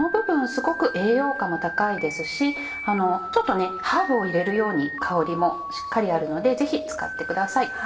すごく栄養価も高いですしハーブを入れるように香りもしっかりあるのでぜひ使ってください。